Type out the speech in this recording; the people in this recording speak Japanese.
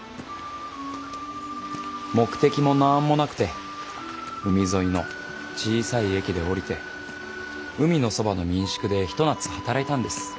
目的もなんもなくて海沿いの小さい駅で降りて海のそばの民宿で一夏働いたんです。